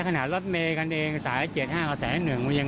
ขนาดรถเมฆกันเองสาย๗๕กับสาย๑๐๑